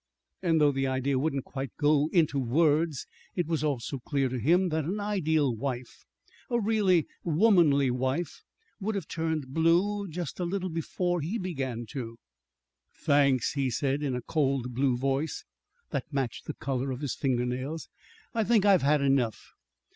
And, though the idea wouldn't quite go into words, it was also clear to him that an ideal wife a really womanly wife would have turned blue just a little before he began to. "Thanks," he said, in a cold blue voice that matched the color of his finger nails. "I think I've had enough."